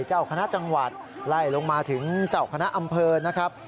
เจ้าคณะจังหวัดไล่ลงมาถึงเจ้าคณะอำเภอนะครับ